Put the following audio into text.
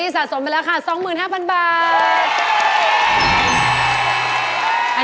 ถ้าซองเหลือ๓บาทก็๒๔อะ